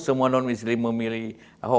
semua non muslim memilih ahok